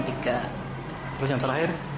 terus yang terakhir